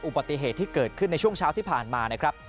ปฏิเหตุที่เกิดขึ้นในช่วงเช้าที่ผ่านมานะครับ